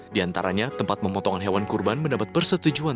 di antaranya tempat pemotongan hewan kurban mendapat persetujuan